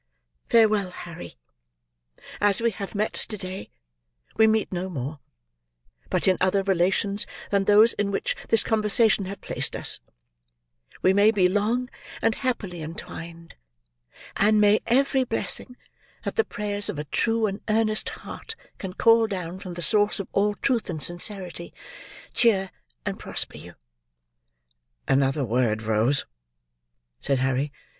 Farewell, Harry! As we have met to day, we meet no more; but in other relations than those in which this conversation have placed us, we may be long and happily entwined; and may every blessing that the prayers of a true and earnest heart can call down from the source of all truth and sincerity, cheer and prosper you!" "Another word, Rose," said Harry.